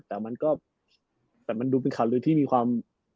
แต่มันดูเป็นข่าวลื่อที่มีความ